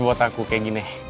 buat aku kayak gini